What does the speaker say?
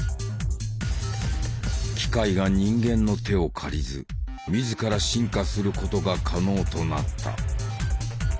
機械が人間の手を借りず自ら進化することが可能となった。